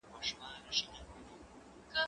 هغه څوک چي مينه څرګندوي مهربان وي!؟